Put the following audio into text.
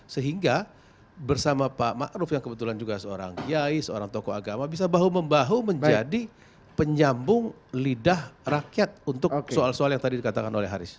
sehingga bersama pak ⁇ maruf ⁇ yang kebetulan juga seorang kiai seorang tokoh agama bisa bahu membahu menjadi penyambung lidah rakyat untuk soal soal yang tadi dikatakan oleh haris